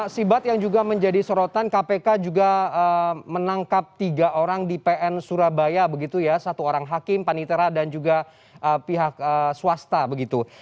sibat yang juga menjadi sorotan kpk juga menangkap tiga orang di pn surabaya begitu ya satu orang hakim panitera dan juga pihak swasta begitu